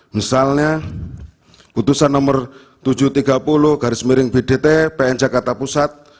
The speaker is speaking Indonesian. misalnya putusan nomor tujuh ratus tiga puluh garis miring bdt pn jakarta pusat